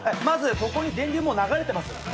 まずここに電流もう流れてます。